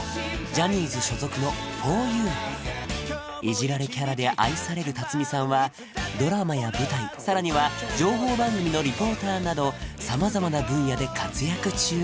ジャニーズ所属の「ふぉゆ」いじられキャラで愛される辰巳さんはドラマや舞台さらには情報番組のリポーターなど様々な分野で活躍中！